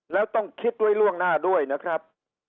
แล้วต้องคิดไว้ล่วงหน้าด้วยนะครับ